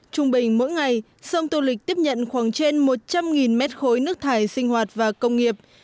trung bình mỗi ngày sông tô lịch tiếp nhận khoảng trên một trăm linh mét khối nước thải sinh hoạt và công nghiệp